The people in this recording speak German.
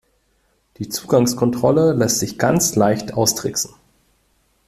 Die Zugangskontrolle lässt sich ganz leicht austricksen.